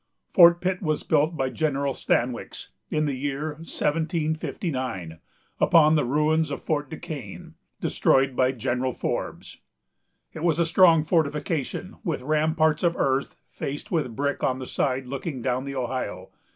Fort Pitt was built by General Stanwix, in the year 1759, upon the ruins of Fort du Quesne, destroyed by General Forbes. It was a strong fortification, with ramparts of earth, faced with brick on the side looking down the Ohio.